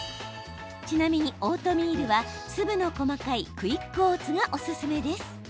ちなみにオートミールは粒の細かいクイックオーツがおすすめです。